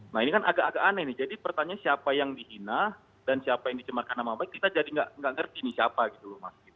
nah ini kan agak agak aneh nih jadi pertanyaan siapa yang dihina dan siapa yang dicemarkan nama baik kita jadi nggak ngerti nih siapa gitu loh mas